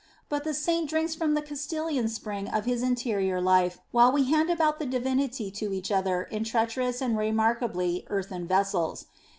But the Saint drinks from the Castalian spring of his interior life while we hand about the Divinity to each other in treacherous and remarkably " earthen vessels."